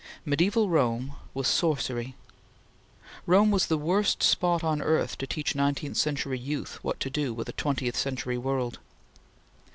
Mediaeval Rome was sorcery. Rome was the worst spot on earth to teach nineteenth century youth what to do with a twentieth century world.